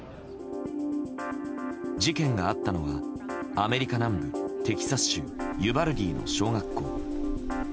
事件があったのは、アメリカ南部テキサス州ユバルディの小学校。